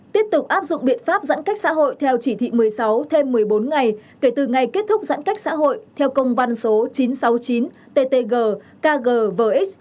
tiếp tục áp dụng biện pháp giãn cách xã hội theo chỉ thị một mươi sáu thêm một mươi bốn ngày kể từ ngày kết thúc giãn cách xã hội theo công văn số chín trăm sáu mươi chín ttg kg